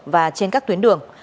và trên các tuyến đường